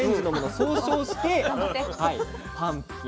総称してパンプキン。